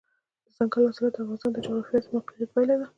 دځنګل حاصلات د افغانستان د جغرافیایي موقیعت پایله ده.